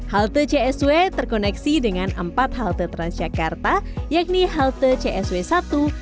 halte csw terkoneksi dengan empat halte transjakarta yakni halte csw satu csw dua asean dan kejaksaan agung